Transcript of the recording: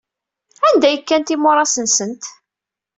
Anda ay kkant imuras-nsent?